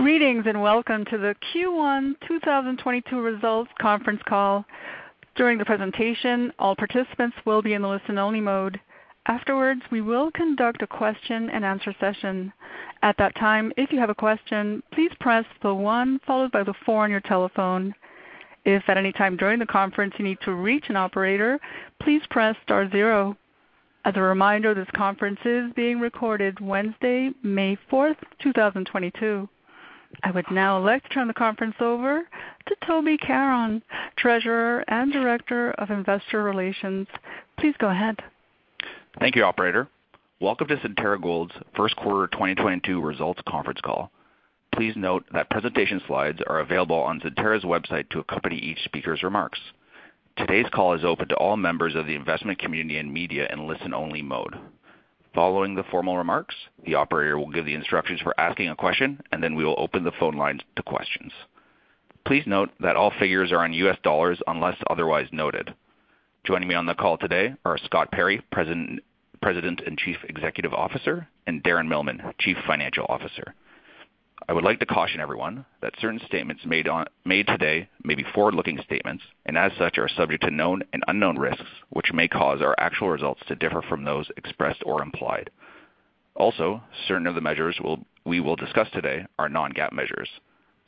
Greetings, and welcome to the Q1 2022 Results Conference Call. During the presentation, all participants will be in the listen-only mode. Afterwards, we will conduct a question-and-answer session. At that time, if you have a question, please press the one followed by the four on your telephone. If at any time during the conference you need to reach an operator, please press star-zero. As a reminder, this conference is being recorded Wednesday, May 4th, 2022. I would now like to turn the conference over to Toby Caron, Treasurer and Director of Investor Relations. Please go ahead. Thank you, operator. Welcome to Centerra Gold's first quarter 2022 results conference call. Please note that presentation slides are available on Centerra's website to accompany each speaker's remarks. Today's call is open to all members of the investment community and media in listen-only mode. Following the formal remarks, the operator will give the instructions for asking a question, and then we will open the phone lines to questions. Please note that all figures are in U.S. dollars unless otherwise noted. Joining me on the call today are Scott Perry, President and Chief Executive Officer, and Darren Millman, Chief Financial Officer. I would like to caution everyone that certain statements made today may be forward-looking statements, and as such, are subject to known and unknown risks, which may cause our actual results to differ from those expressed or implied. Also, certain of the measures we will discuss today are non-GAAP measures.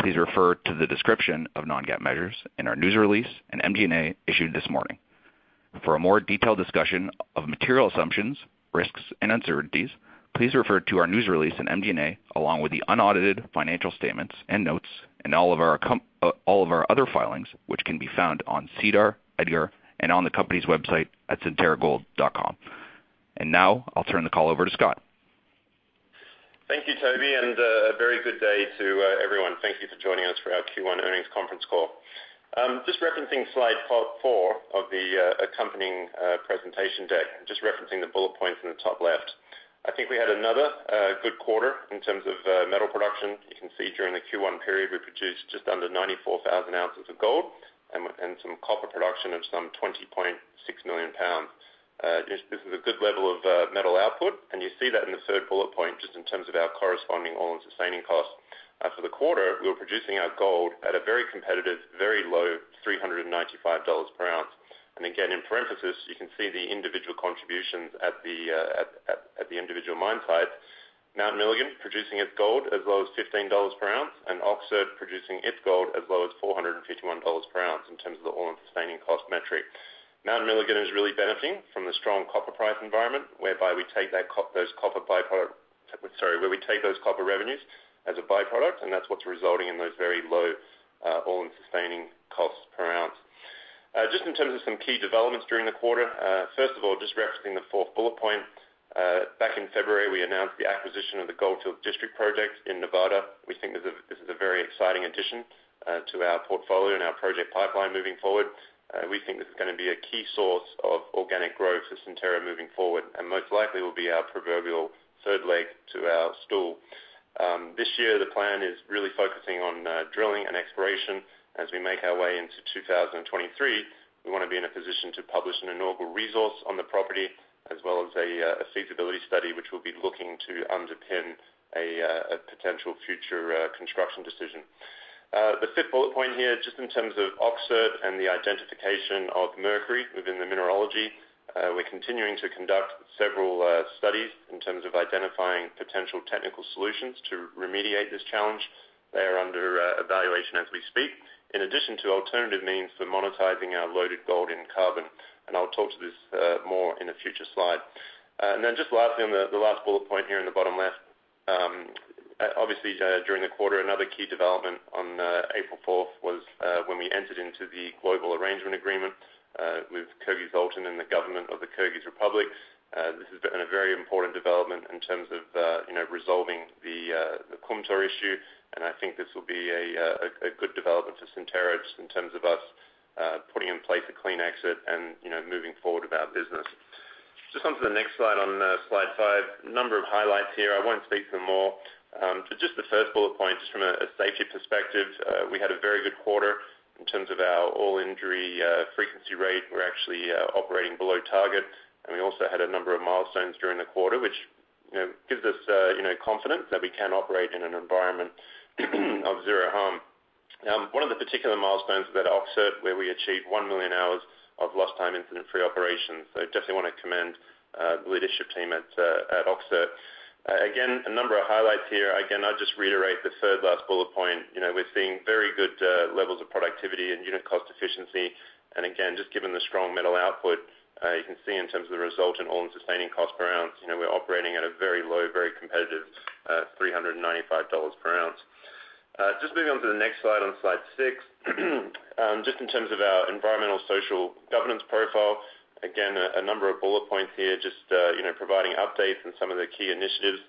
Please refer to the description of non-GAAP measures in our news release, and MD&A issued this morning. For a more detailed discussion of material assumptions, risks, and uncertainties, please refer to our news release and MD&A along with the unaudited financial statements and notes and all of our other filings, which can be found on SEDAR, EDGAR, and on the company's website at centerragold.com. Now, I'll turn the call over to Scott. Thank you, Toby, and a very good day to everyone. Thank you for joining us for our Q1 earnings conference call. Just referencing slide four of the accompanying presentation deck, and just referencing the bullet points in the top left. I think we had another good quarter in terms of metal production. You can see during the Q1 period, we produced just under 94,000 ounces of gold and some copper production of some 20.6 million pounds. This is a good level of metal output, and you see that in the third bullet point just in terms of our corresponding all-in sustaining costs. For the quarter, we were producing our gold at a very competitive, very low $395 per ounce. Again, in parenthesis, you can see the individual contributions at the individual mine sites. Mount Milligan producing its gold as low as $15 per ounce, and Öksüt producing its gold as low as $451 per ounce in terms of the all-in sustaining cost metric. Mount Milligan is really benefiting from the strong copper price environment, whereby we take those copper revenues as a byproduct, and that's what's resulting in those very low all-in sustaining costs per ounce. Just in terms of some key developments during the quarter. First of all, just referencing the fourth bullet point. Back in February, we announced the acquisition of the Goldfield District project in Nevada. We think this is a very exciting addition to our portfolio and our project pipeline moving forward. We think this is going to be a key source of organic growth for Centerra moving forward, and most likely will be our proverbial third leg to our stool. This year, the plan is really focusing on drilling and exploration. As we make our way into 2023, we want to be in a position to publish an inaugural resource on the property as well as a feasibility study, which we'll be looking to underpin a potential future construction decision. The fifth bullet point here, just in terms of Öksüt and the identification of mercury within the mineralogy. We're continuing to conduct several studies in terms of identifying potential technical solutions to remediate this challenge. They are under evaluation as we speak. In addition to alternative means for monetizing our loaded gold in carbon, and I'll talk to this more in a future slide. Then just lastly, on the last bullet point here in the bottom left. Obviously, during the quarter, another key development on April 4th was when we entered into the global arrangement agreement with Kyrgyzaltyn and the government of the Kyrgyz Republic. This has been a very important development in terms of you know, resolving the Kumtor issue. I think this will be a good development for Centerra just in terms of us putting in place a clean exit and you know, moving forward with our business. Just onto the next slide, on slide five. A number of highlights here. I won't speak to them all. So just the first bullet point, just from a safety perspective. We had a very good quarter in terms of our all-injury frequency rate. We're actually operating below target. We also had a number of milestones during the quarter, which, you know, gives us, you know, confidence that we can operate in an environment of zero harm. One of the particular milestones is at Öksüt, where we achieved 1 million hours of lost-time incident-free operations. So definitely want to commend the leadership team at Öksüt. Again, a number of highlights here. Again, I'll just reiterate the third last bullet point. You know, we're seeing very good levels of productivity and unit cost efficiency. Again, just given the strong metal output, you can see in terms of the resulting all-in sustaining cost per ounce. You know, we're operating at a very low, very competitive, $395 per ounce. Just moving on to the next slide on slide six. Just in terms of our environmental, social, governance profile. Again, a number of bullet points here, just, you know, providing updates on some of the key initiatives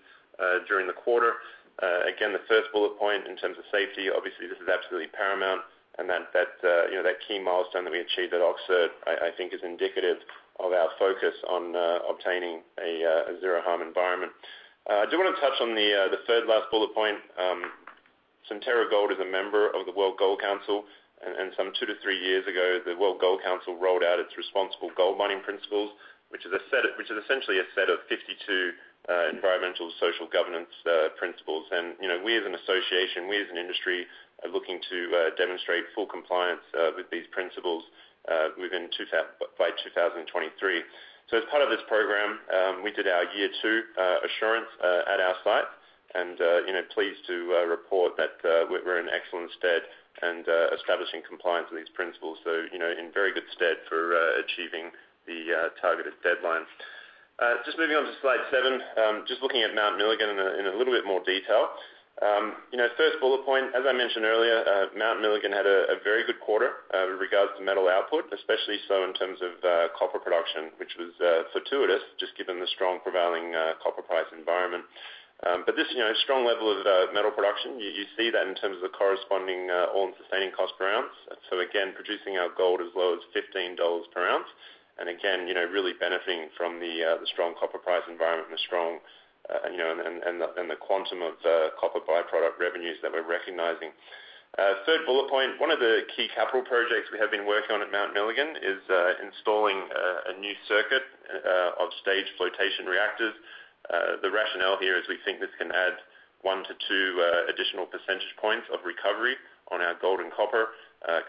during the quarter. Again, the first bullet point in terms of safety, obviously, this is absolutely paramount. That you know, that key milestone that we achieved at Öksüt, I think is indicative of our focus on obtaining a zero harm environment. I do want to touch on the third last bullet point. Centerra Gold is a member of the World Gold Council. Some two to three years ago, the World Gold Council rolled out its Responsible Gold Mining Principles, which is essentially a set of 52 environmental social governance principles. You know, we as an association, we as an industry are looking to demonstrate full compliance with these principles by 2023. As part of this program, we did our year two assurance at our site. You know, pleased to report that we're in excellent stead and establishing compliance with these principles. You know, in very good stead for achieving the targeted deadlines. Just moving on to slide seven, just looking at Mount Milligan in a little bit more detail. You know, first bullet point, as I mentioned earlier, Mount Milligan had a very good quarter with regards to metal output, especially so in terms of copper production, which was fortuitous, just given the strong prevailing copper price environment. This, you know, strong level of metal production, you see that in terms of the corresponding all-in sustaining cost per ounce. Again, producing our gold as low as $15 per ounce. Again, you know, really benefiting from the strong copper price environment and the strong, you know, and the quantum of copper by-product revenues that we're recognizing. Third bullet point, one of the key capital projects we have been working on at Mount Milligan is installing a new circuit of Staged Flotation Reactors. The rationale here is we think this can add one to two additional percentage points of recovery on our gold and copper.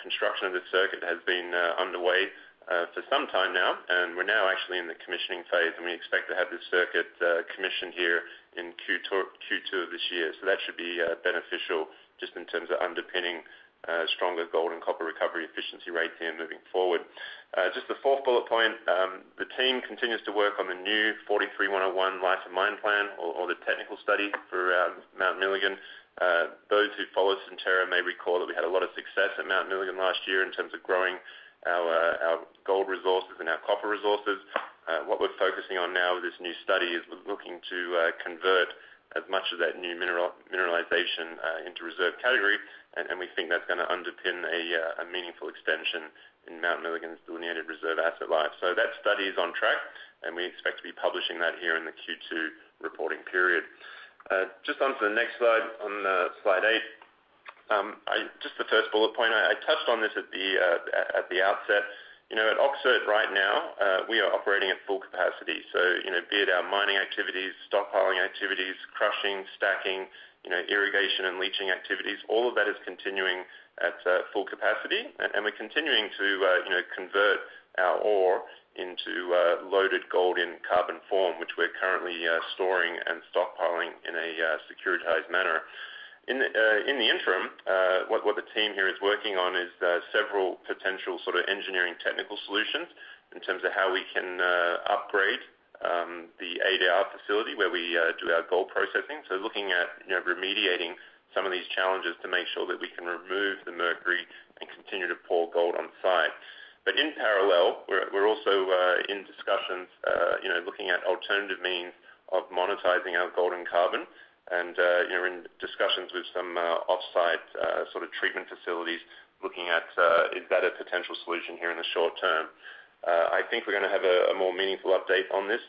Construction of this circuit has been underway for some time now, and we're now actually in the commissioning phase. We expect to have this circuit commissioned here in Q2 of this year. That should be beneficial just in terms of underpinning stronger gold and copper recovery efficiency rates here moving forward. Just the fourth bullet point, the team continues to work on the new NI 43-101 life of mine plan or the technical study for Mount Milligan. Those who follow Centerra may recall that we had a lot of success at Mount Milligan last year in terms of growing our gold resources and our copper resources. What we're focusing on now with this new study is we're looking to convert as much of that new mineralization into reserve category. We think that's going to underpin a meaningful extension in Mount Milligan's delineated reserve asset life. That study is on track, and we expect to be publishing that here in the Q2 reporting period. Just onto the next slide, on slide eight. Just the first bullet point, I touched on this at the outset. You know, at Öksüt right now, we are operating at full capacity. You know, be it our mining activities, stockpiling activities, crushing, stacking, you know, irrigation and leaching activities, all of that is continuing at full capacity. We're continuing to, you know, convert our ore into loaded gold in carbon form, which we're currently storing and stockpiling in a securitized manner. In the interim, what the team here is working on is several potential sort of engineering technical solutions in terms of how we can upgrade the ADR facility where we do our gold processing. Looking at, you know, remediating some of these challenges to make sure that we can remove the mercury and continue to pour gold on site. In parallel, we're also in discussions, you know, looking at alternative means of monetizing our gold and carbon and, you know, in discussions with some offsite sort of treatment facilities looking at is that a potential solution here in the short-term. I think we're going to have a more meaningful update on this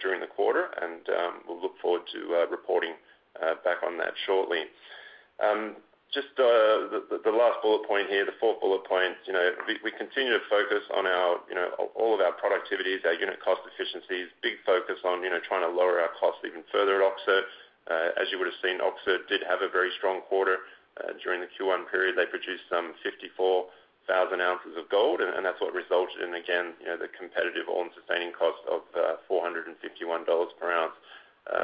during the quarter, and we'll look forward to reporting back on that shortly. Just the last bullet point here, the fourth bullet point. You know, we continue to focus on our, you know, all of our productivities, our unit cost efficiencies, big focus on, you know, trying to lower our costs even further at Öksüt. As you would've seen, Öksüt did have a very strong quarter during the Q1 period. They produced some 54,000 ounces of gold, and that's what resulted in, again, you know, the competitive all-in sustaining cost of $451 per ounce.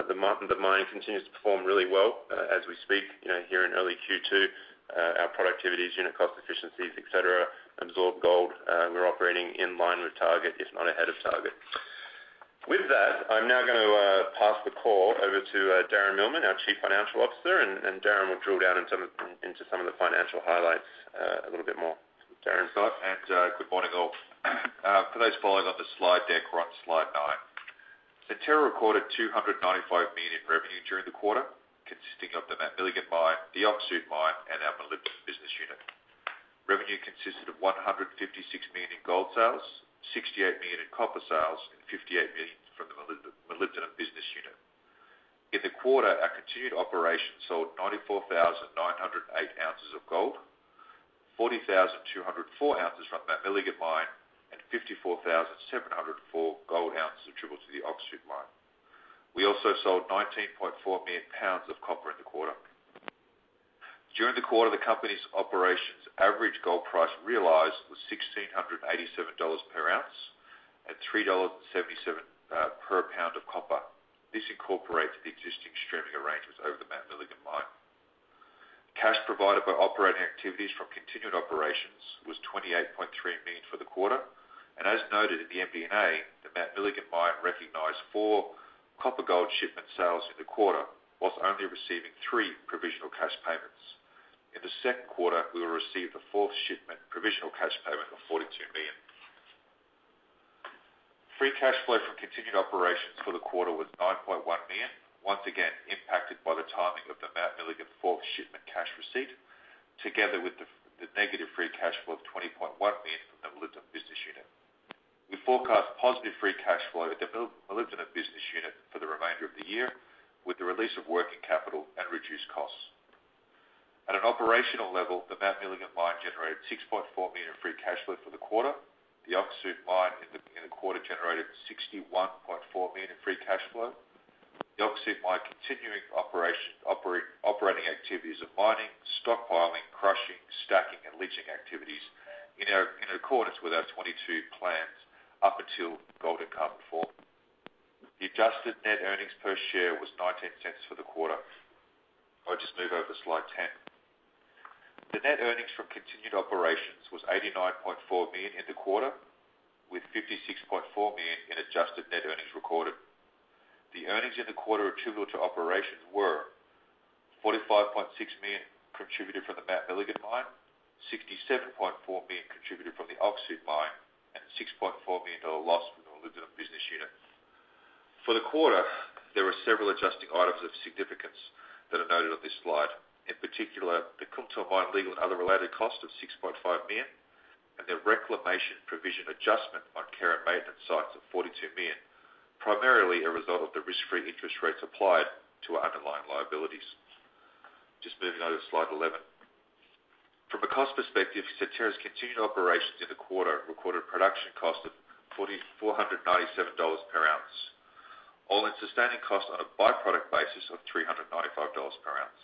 The mine continues to perform really well, as we speak, you know, here in early Q2. Our productivities, unit cost efficiencies, etc., adsorbed gold. We're operating in line with target, if not ahead of target. With that, I'm now going to pass the call over to Darren Millman, our Chief Financial Officer, and Darren will drill down into some of the financial highlights a little bit more. Darren? Thanks, Scott, and good morning, all. For those following on the slide deck, we're on slide nine. Centerra recorded $295 million revenue during the quarter, consisting of the Mount Milligan mine, the Öksüt mine, and our Molybdenum Business Unit. Revenue consisted of $156 million in gold sales, $68 million in copper sales, and $58 million from the Molybdenum Business Unit. In the quarter, our continuing operations sold 94,908 ounces of gold, 40,204 ounces from Mount Milligan mine, and 54,704 gold ounces attributable to the Öksüt mine. We also sold 19.4 million pounds of copper in the quarter. During the quarter, the company's operations average gold price realized was $1,687 per ounce and $3.77 per pound of copper. This incorporates the existing streaming arrangements over the Mount Milligan mine. Cash provided by operating activities from continued operations was $28.3 million for the quarter. As noted in the MD&A, the Mount Milligan mine recognized four copper-gold shipment sales in the quarter, while only receiving three provisional cash payments. In the second quarter, we will receive the fourth shipment provisional cash payment of $42 million. Free cash flow from continued operations for the quarter was $9.1 million, once again impacted by the timing of the Mount Milligan fourth shipment cash receipt, together with the negative free cash flow of $20.1 million from the Molybdenum Business Unit. We forecast positive free cash flow at the Milligan business unit for the remainder of the year, with the release of working capital and reduced costs. At an operational level, the Mount Milligan mine generated $6.4 million free cash flow for the quarter. The Öksüt mine in the quarter generated $61.4 million free cash flow. The Öksüt mine continuing operating activities of mining, stockpiling, crushing, stacking, and leaching activities in accordance with our 2022 plans up until gold and carbon form. The adjusted net earnings per share was $0.19 for the quarter. I'll just move over to slide 10. The net earnings from continued operations was $89.4 million in the quarter, with $56.4 million in adjusted net earnings recorded. The earnings in the quarter attributable to operations were $45.6 million contributed from the Mount Milligan mine, $67.4 million contributed from the Öksüt mine, and $6.4 million dollar loss from the Molybdenum Business Unit. For the quarter, there were several adjusting items of significance that are noted on this slide. In particular, the Kumtor mine legal and other related cost of $6.5 million, and the reclamation provision adjustment on care and maintenance sites of $42 million, primarily a result of the risk-free interest rates applied to our underlying liabilities. Just moving on to slide 11. From a cost perspective, Centerra's continued operations in the quarter recorded production cost of $4,497 per ounce. All-in sustaining cost on a by-product basis of $395 per ounce.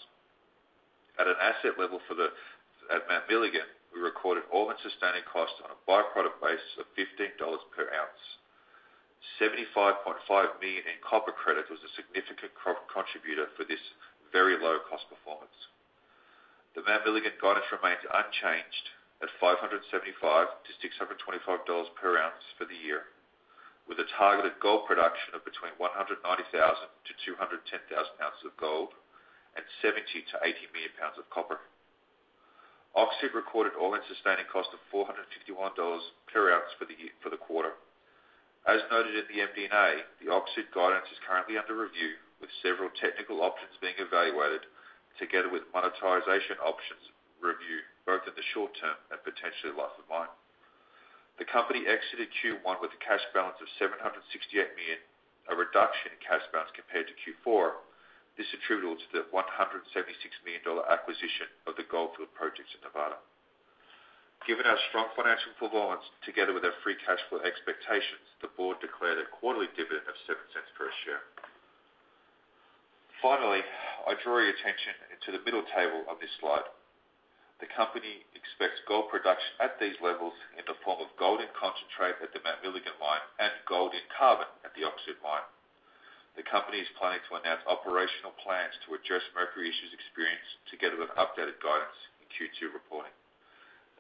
At an asset level, at Mount Milligan, we recorded all-in sustaining cost on a by-product basis of $15 per ounce. $75.5 million in copper credit was a significant contributor for this very low cost performance. The Mount Milligan guidance remains unchanged at $575-$625 per ounce for the year, with a targeted gold production of between 190,000-210,000 ounces of gold and 70 million-80 million pounds of copper. Öksüt recorded all-in sustaining cost of $451 per ounce for the quarter. As noted in the MD&A, the Öksüt guidance is currently under review, with several technical options being evaluated together with monetization options review, both in the short-term and potentially life of mine. The company exited Q1 with a cash balance of $768 million, a reduction in cash balance compared to Q4. This attributable to the $176 million acquisition of the Goldfield projects in Nevada. Given our strong financial performance together with our free cash flow expectations, the board declared a quarterly dividend of $0.07 per share. Finally, I draw your attention to the middle table of this slide. The company expects gold production at these levels in the form of gold and concentrate at the Mount Milligan mine and gold in carbon at the Öksüt mine. The company is planning to announce operational plans to address mercury issues experienced together with updated guidance in Q2 reporting.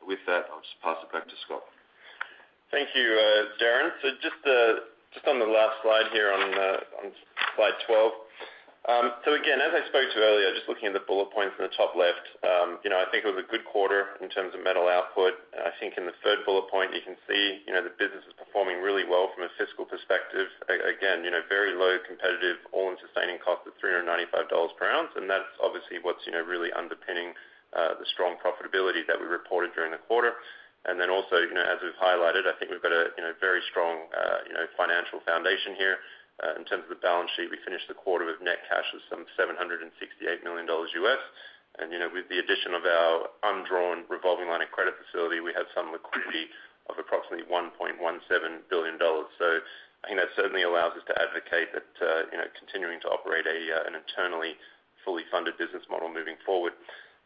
With that, I'll just pass it back to Scott. Thank you, Darren. Just on the last slide here on slide 12. Again, as I spoke to earlier, just looking at the bullet points in the top left, you know, I think it was a good quarter in terms of metal output. I think in the third bullet point, you can see, you know, the business is performing really well from a fiscal perspective. Again, you know, very low competitive all-in sustaining cost of $395 per ounce. That's obviously what's, you know, really underpinning the strong profitability that we reported during the quarter. Also, you know, as we've highlighted, I think we've got a, you know, very strong, you know, financial foundation here. In terms of the balance sheet, we finished the quarter with net cash of some $768 million. You know, with the addition of our undrawn revolving line of credit facility, we have some liquidity of approximately $1.17 billion. I think that certainly allows us to advocate that, you know, continuing to operate an internally fully funded business model moving forward.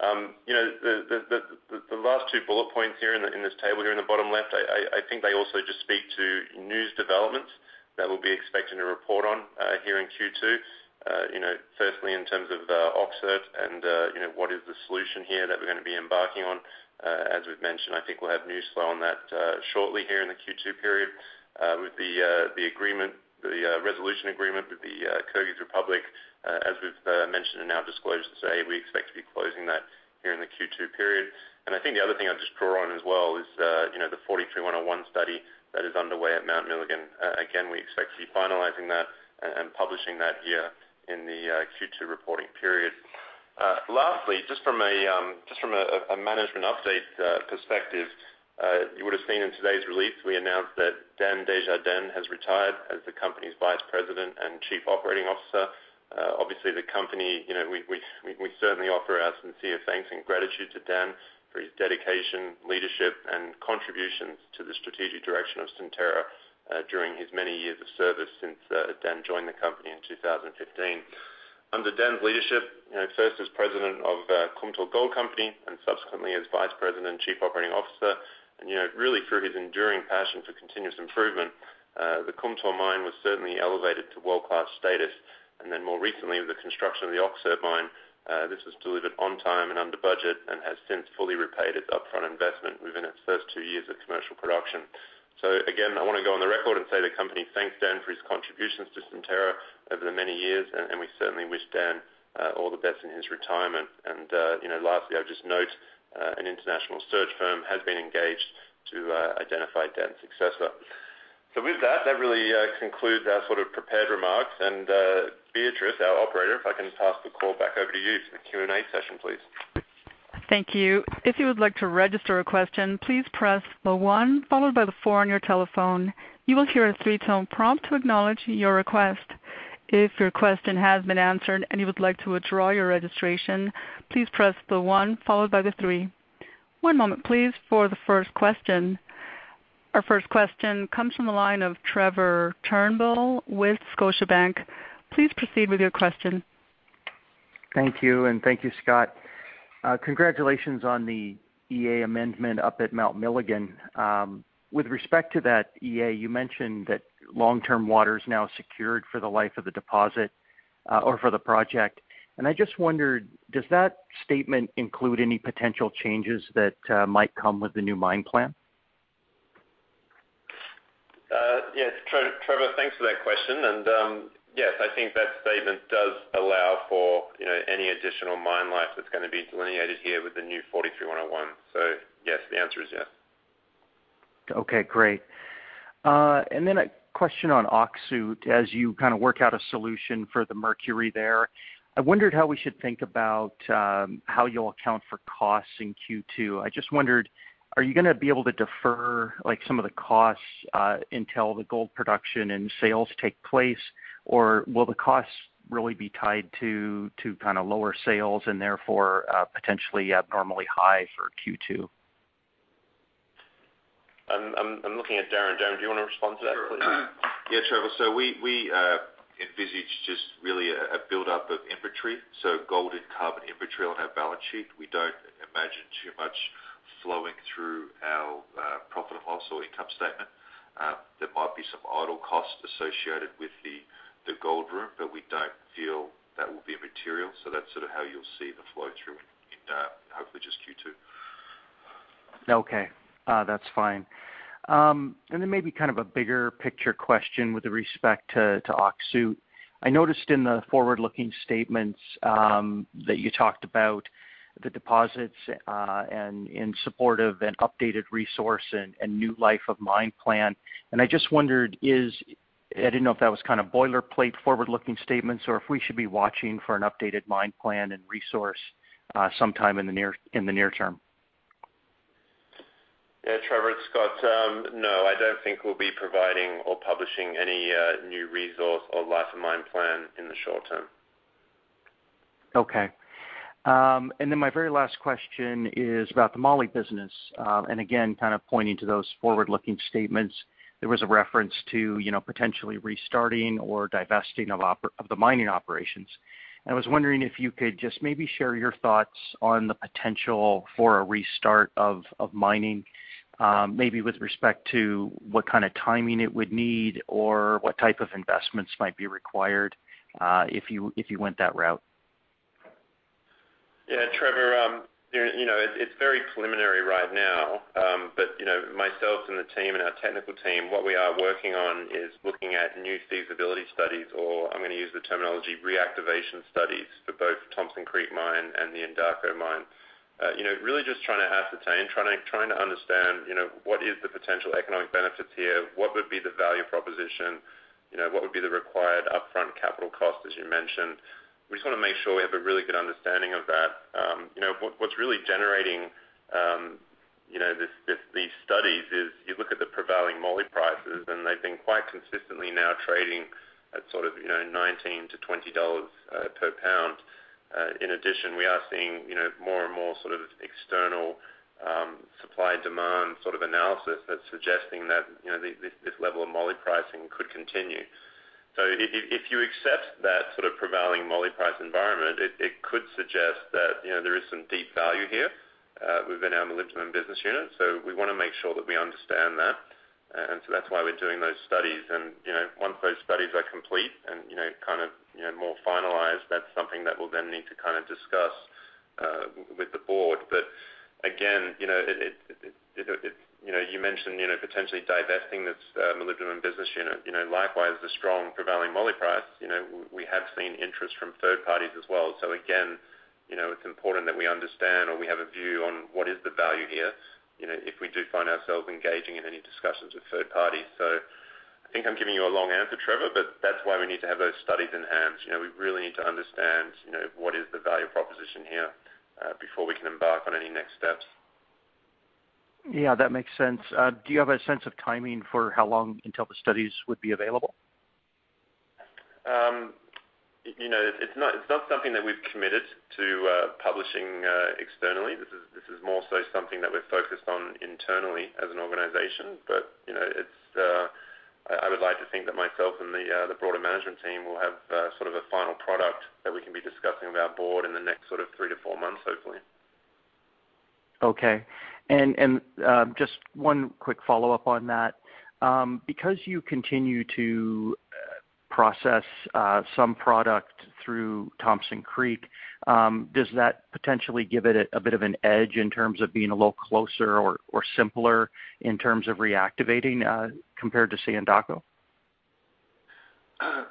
You know, the last two bullet points here in this table here in the bottom left, I think they also just speak to news developments that we'll be expecting to report on here in Q2. You know, firstly in terms of Öksüt and, you know, what is the solution here that we're going to be embarking on. As we've mentioned, I think we'll have news flow on that, shortly here in the Q2 period. With the resolution agreement with the Kyrgyz Republic, as we've mentioned in our disclosures today, we expect to be closing that here in the Q2 period. I think the other thing I'll just draw on as well is, you know, the NI 43-101 study that is underway at Mount Milligan. Again, we expect to be finalizing that and publishing that here in the Q2 reporting period. Lastly, just from a management update perspective, you would've seen in today's release, we announced that Dan Desjardins has retired as the company's Vice President and Chief Operating Officer. Obviously the company, you know, we certainly offer our sincere thanks and gratitude to Dan for his dedication, leadership, and contributions to the strategic direction of Centerra during his many years of service since Dan joined the company in 2015. Under Dan's leadership, you know, first as President of Kumtor Gold Company, and subsequently as Vice President and Chief Operating Officer, and, you know, really through his enduring passion for continuous improvement, the Kumtor Mine was certainly elevated to world-class status. Then more recently, with the construction of the Öksüt Mine, this was delivered on time and under budget and has since fully repaid its upfront investment within its first two years of commercial production. Again, I want to go on the record and say the company thanks Dan for his contributions to Centerra over the many years, and we certainly wish Dan all the best in his retirement. You know, lastly, I'll just note an international search firm has been engaged to identify Dan's successor. With that really concludes our sort of prepared remarks. Beatrice, our operator, if I can pass the call back over to you for the Q&A session, please. Thank you. If you would like to register a question, please press the one followed by the four on your telephone. You will hear a three-tone prompt to acknowledge your request. If your question has been answered and you would like to withdraw your registration, please press the one followed by the three. One moment please for the first question. Our first question comes from the line of Trevor Turnbull with Scotiabank. Please proceed with your question. Thank you, and thank you, Scott. Congratulations on the EA amendment up at Mount Milligan. With respect to that EA, you mentioned that long-term water is now secured for the life of the deposit, or for the project. I just wondered, does that statement include any potential changes that might come with the new mine plan? Yes. Trevor, thanks for that question. Yes, I think that statement does allow for, you know, any additional mine life that's going to be delineated here with the new 43-101. Yes, the answer is yes. Okay, great. A question on Öksüt. As you kind of work out a solution for the mercury there, I wondered how we should think about, how you'll account for costs in Q2. I just wondered, are you going to be able to defer, like, some of the costs, until the gold production and sales take place, or will the costs really be tied to kind of lower sales and therefore, potentially abnormally high for Q2? I'm looking at Darren. Darren, do you want to respond to that, please? Sure. Yeah, Trevor. We envisage just really a buildup of inventory, so gold and carbon inventory on our balance sheet. We don't imagine too much flowing through our profit and loss or income statement. There might be some idle costs associated with the gold room, but we don't feel that will be material. That's sort of how you'll see the flow through in hopefully just Q2. Okay. That's fine. Maybe kind of a bigger picture question with respect to Öksüt. I noticed in the forward-looking statements that you talked about the deposits and in support of an updated resource and new life of mine plan. I just wondered. I didn't know if that was kind of boilerplate forward-looking statements, or if we should be watching for an updated mine plan and resource sometime in the near-term. Yeah, Trevor, it's Scott. No, I don't think we'll be providing or publishing any new resource or life of mine plan in the short-term. Okay. Then my very last question is about the moly business. Again, kind of pointing to those forward-looking statements, there was a reference to, you know, potentially restarting or divesting of the mining operations. I was wondering if you could just maybe share your thoughts on the potential for a restart of mining, maybe with respect to what kind of timing it would need or what type of investments might be required, if you went that route. Yeah, Trevor, you know, it's very preliminary right now. You know, myself and the team and our technical team, what we are working on is looking at new feasibility studies, or I'm going to use the terminology reactivation studies for both Thompson Creek mine and the Endako mine. You know, really just trying to ascertain, trying to understand, you know, what is the potential economic benefits here? What would be the value proposition? You know, what would be the required upfront capital cost, as you mentioned? We just want to make sure we have a really good understanding of that. You know, what's really generating, you know, this, these studies is you look at the prevailing moly prices, and they've been quite consistently now trading at sort of, you know, $19-$20 per pound. In addition, we are seeing, you know, more and more sort of external, supply demand sort of analysis that's suggesting that, you know, this level of moly pricing could continue. If you accept that sort of prevailing moly price environment, it could suggest that, you know, there is some deep value here, within our Molybdenum Business Unit. We want to make sure that we understand that. You know, once those studies are complete and, you know, kind of, you know, more finalized, that's something that we'll then need to kind of discuss, with the board. Again, you know, it, you know, you mentioned, you know, potentially divesting this, molybdenum business unit. You know, likewise, the strong prevailing moly price. You know, we have seen interest from third-parties as well. Again, you know, it's important that we understand or we have a view on what is the value here, you know, if we do find ourselves engaging in any discussions with third-parties. I think I'm giving you a long answer, Trevor, but that's why we need to have those studies in hand. You know, we really need to understand, you know, what is the value proposition here, before we can embark on any next steps. Yeah, that makes sense. Do you have a sense of timing for how long until the studies would be available? You know, it's not something that we've committed to publishing externally. This is more so something that we're focused on internally as an organization. You know, I would like to think that myself and the broader management team will have sort of a final product that we can be discussing with our board in the next sort of three to four months, hopefully. Okay. Just one quick follow-up on that. Because you continue to process some product through Thompson Creek, does that potentially give it a bit of an edge in terms of being a little closer or simpler in terms of reactivating, compared to say, Endako?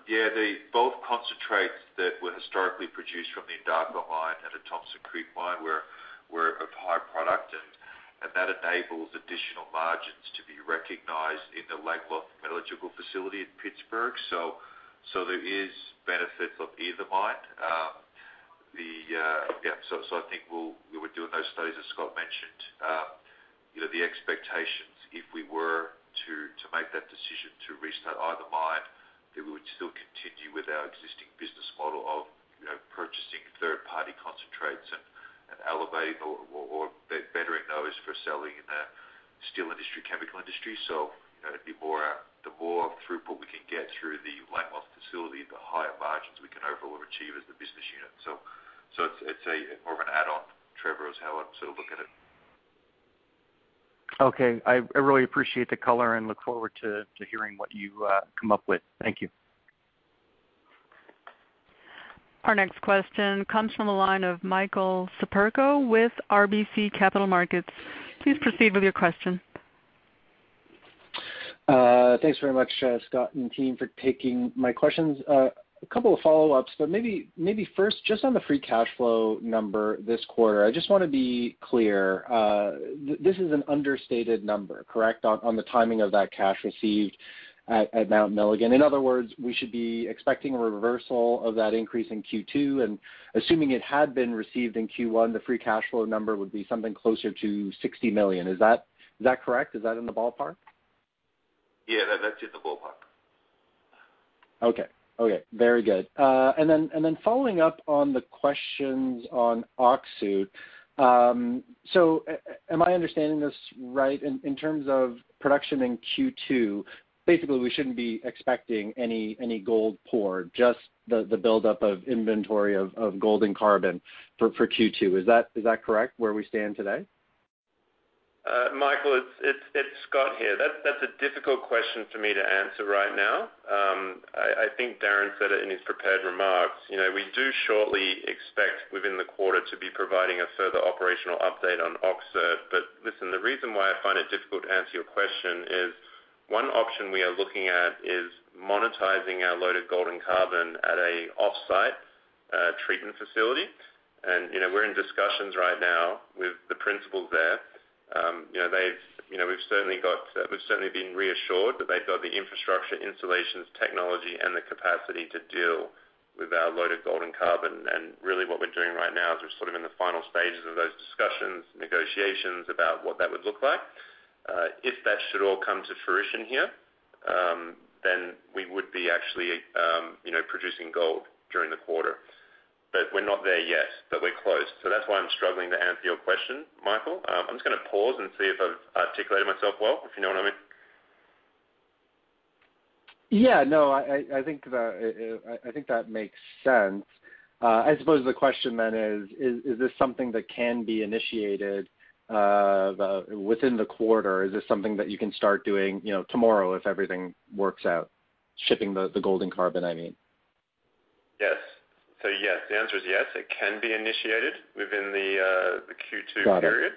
Yeah. The both concentrates that were historically produced from the Endako mine and the Thompson Creek mine were of high product. That enables additional margins to be recognized in the Langeloth metallurgical facility in Pittsburgh. There is benefits of either mine. I think we were doing those studies, as Scott mentioned. You know, the expectations, if we were to make that decision to restart either mine, that we would still continue with our existing business model of, you know, purchasing third-party concentrates and elevating or bettering those for selling in the steel industry, chemical industry. You know, it'd be more, the more throughput we can get through the Langeloth facility, the higher margins we can overall achieve as the business unit. It's more of an add-on, Trevor, is how I'd sort of look at it. Okay. I really appreciate the color and look forward to hearing what you come up with. Thank you. Our next question comes from the line of Michael Siperco with RBC Capital Markets. Please proceed with your question. Thanks very much, Scott and team for taking my questions. A couple of follow-ups, but maybe first, just on the free cash flow number this quarter, I just want to be clear, this is an understated number, correct, on the timing of that cash received at Mount Milligan? In other words, we should be expecting a reversal of that increase in Q2, and assuming it had been received in Q1, the free cash flow number would be something closer to $60 million. Is that correct? Is that in the ballpark? Yeah, that's in the ballpark. Okay, very good. Following up on the questions on Öksüt. Am I understanding this right? In terms of production in Q2, basically we shouldn't be expecting any gold pour, just the buildup of inventory of gold and carbon for Q2. Is that correct where we stand today? Michael, it's Scott here. That's a difficult question for me to answer right now. I think Darren said it in his prepared remarks. You know, we do shortly expect within the quarter to be providing a further operational update on Öksüt. Listen, the reason why I find it difficult to answer your question is one option we are looking at is monetizing our loaded gold and carbon at an offsite treatment facility. You know, we're in discussions right now with the principals there. You know, we've certainly been reassured that they've got the infrastructure, installations, technology, and the capacity to deal with our loaded gold and carbon. Really what we're doing right now is we're sort of in the final stages of those discussions, negotiations about what that would look like. If that should all come to fruition here, then we would be actually, you know, producing gold during the quarter. But we're not there yet, but we're close. That's why I'm struggling to answer your question, Michael. I'm just going to pause and see if I've articulated myself well, if you know what I mean. Yeah, no, I think that makes sense. I suppose the question then is this something that can be initiated within the quarter? Is this something that you can start doing, you know, tomorrow if everything works out, shipping the gold and carbon? Yes. Yes, the answer is yes. It can be initiated within the Q2 period.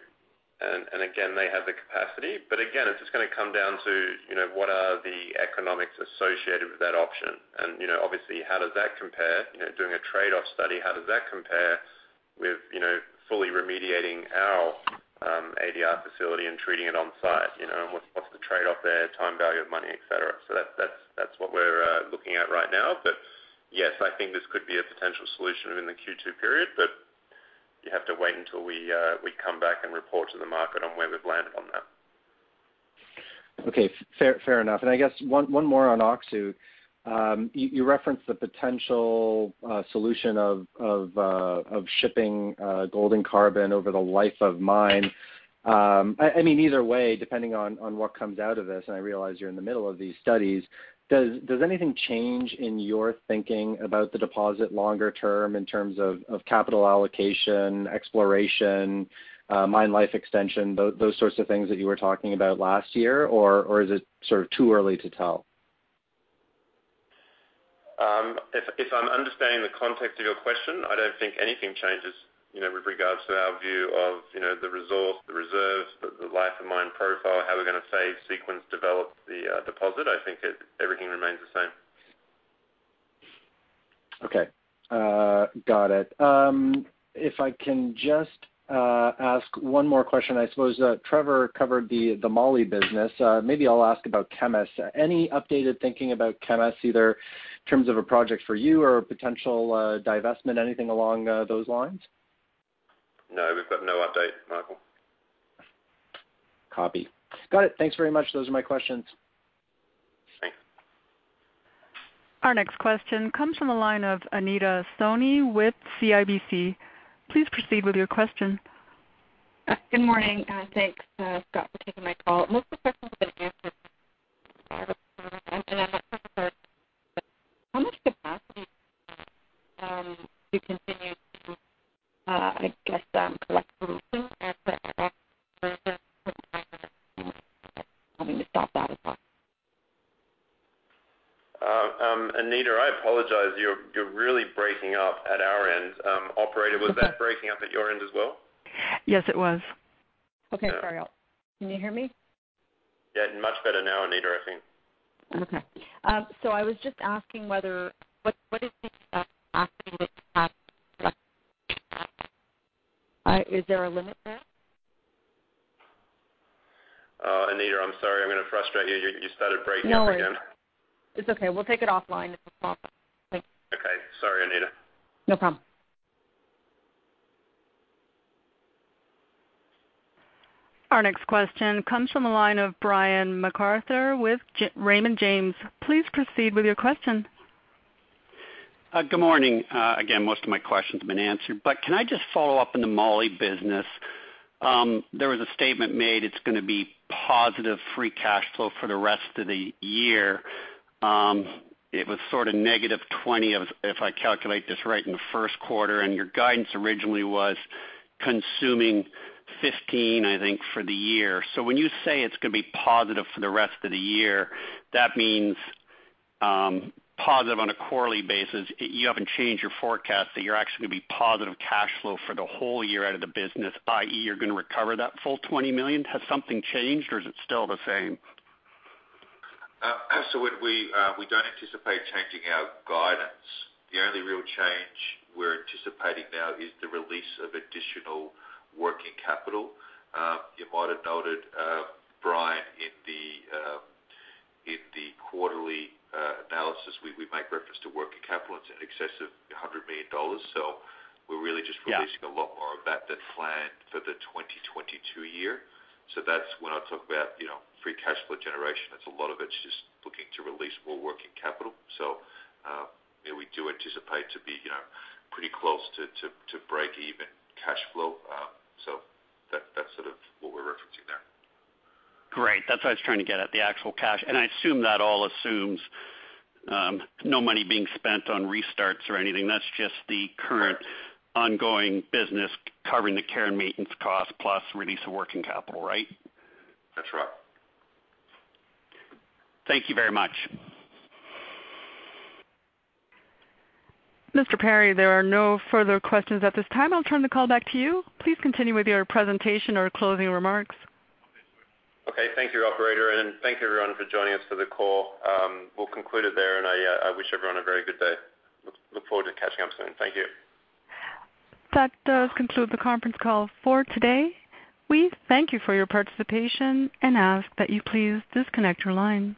Again, they have the capacity. Again, it's just going to come down to, you know, what are the economics associated with that option? You know, obviously, how does that compare, you know, doing a trade-off study, how does that compare with, you know, fully remediating our ADR facility and treating it on site? You know, what's the trade-off there, time value of money, etc. That's what we're looking at right now. Yes, I think this could be a potential solution within the Q2 period, but you have to wait until we come back and report to the market on where we've landed on that. Okay, fair enough. I guess one more on Öksüt. You referenced the potential solution of shipping gold and carbon over the life of mine. I mean, either way, depending on what comes out of this, and I realize you're in the middle of these studies, does anything change in your thinking about the deposit longer-term in terms of capital allocation, exploration, mine life extension, those sorts of things that you were talking about last year, or is it sort of too early to tell? If I'm understanding the context of your question, I don't think anything changes, you know, with regards to our view of, you know, the resource, the reserves, the life of mine profile, how we're going to stage, sequence, develop the deposit. I think it, everything remains the same. Okay. Got it. If I can just ask one more question. I suppose Trevor covered the moly business. Maybe I'll ask about Kemess. Any updated thinking about Kemess, either in terms of a project for you or a potential divestment, anything along those lines? No, we've got no update, Michael. Copy. Got it. Thanks very much. Those are my questions. Thanks. Our next question comes from the line of Anita Soni with CIBC. Please proceed with your question. Good morning. Thanks, Scott, for taking my call. [Most of the questions have been answered and I'm not sure if I heard, but how much capacity to continue to, I guess, collect having to stop that as well?] Anita, I apologize. You're really breaking up at our end. Operator, was that breaking up at your end as well? Yes, it was. Okay, sorry. Can you hear me? Yeah, much better now, Anita, I think. Okay. I was just asking, [what is the capacity to continue?] Is there a limit there? Anita, I'm sorry, I'm going to frustrate you. You started breaking up again. No, it's okay. We'll take it offline. Okay. Sorry, Anita. No problem. Our next question comes from the line of Brian MacArthur with Raymond James. Please proceed with your question. Good morning. Again, most of my questions have been answered, but can I just follow up on the Moly business? There was a statement made it's going to be positive free cash flow for the rest of the year. It was sort of negative $20 million, if I calculate this right, in the first quarter, and your guidance originally was consuming $15 million, I think, for the year. When you say it's going to be positive for the rest of the year, that means positive on a quarterly basis. You haven't changed your forecast that you're actually going to be positive cash flow for the whole year out of the business, i.e., you're going to recover that full $20 million. Has something changed or is it still the same? Absolutely. We don't anticipate changing our guidance. The only real change we're anticipating now is the release of additional working capital. You might have noted, Brian, in the quarterly analysis, we make reference to working capital. It's in excess of $100 million. We're really just releasing a lot more of that than planned for the 2022 year. That's when I talk about, you know, free cash flow generation, it's a lot of it's just looking to release more working capital. We do anticipate to be, you know, pretty close to break even cash flow. That's sort of what we're referencing there. Great. That's what I was trying to get at, the actual cash. I assume that all assumes, no money being spent on restarts or anything. That's just the current ongoing business covering the care and maintenance costs plus release of working capital, right? That's right. Thank you very much. Mr. Perry, there are no further questions at this time. I'll turn the call back to you. Please continue with your presentation or closing remarks. Okay. Thank you, operator, and thank you everyone for joining us for the call. We'll conclude it there, and I wish everyone a very good day. Look forward to catching up soon. Thank you. That does conclude the conference call for today. We thank you for your participation and ask that you please disconnect your line.